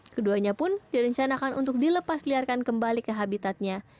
keduanya pun direncanakan untuk dilepasliarkan kembali ke habitatnya